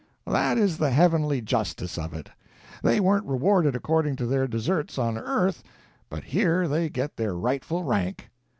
"That is the heavenly justice of it—they warn't rewarded according to their deserts, on earth, but here they get their rightful rank.